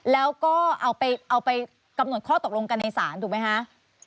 แล้วก็เอาไปกำหนดข้อตกลงกันในศาลถูกไหมคะ